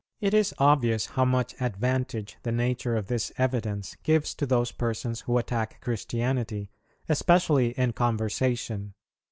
"It is obvious how much advantage the nature of this evidence gives to those persons who attack Christianity, especially in conversation.